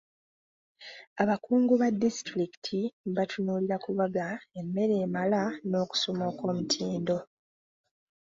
Abakungu ba disitulikiti batunuulira kubaga emmere emala n'okusoma okw'omutindo.